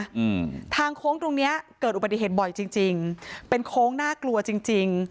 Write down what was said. อืมทางโค้งตรงเนี้ยเกิดอุบัติเหตุบ่อยจริงจริงเป็นโค้งน่ากลัวจริงจริง